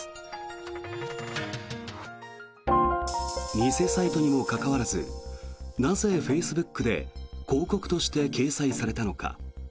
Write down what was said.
偽サイトにもかかわらずなぜフェイスブックで広告として掲載されたのか。